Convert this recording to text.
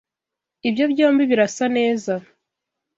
Ibi byombi birasa neza.